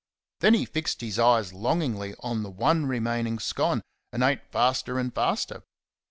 Then he fixed his eyes longingly on the one remaining scone, and ate faster and faster....